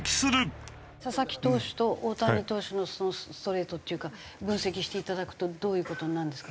佐々木投手と大谷投手のストレートっていうか分析していただくとどういう事になるんですか？